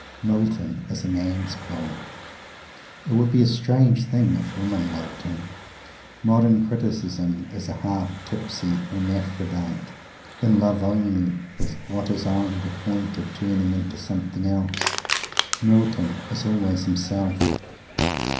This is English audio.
Milton is a man's poet. It would be a strange thing if women loved him. Modern criticism is a half tipsy Hermaphrodite, in love only with what is on the point of turning into something else. Milton is always himself.